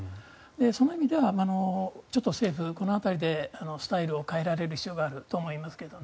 その意味では政府この辺りでスタイルを変えられる必要があると思いますけどね。